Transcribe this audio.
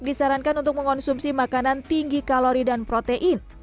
disarankan untuk mengonsumsi makanan tinggi kalori dan protein